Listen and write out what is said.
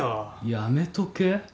やめとけ？